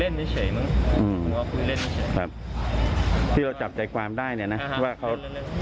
เรื่องนี้ลูกเผยก็เลยไม่ยอมก็อาจจะฟอกฤทธิ์การกระทอด้วยนะคะ